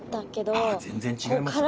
ああ全然違いますよね。